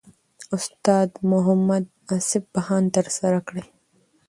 استاد محمد اصف بهاند ترسره کړی.